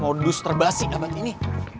modus terbaik sih dapat ini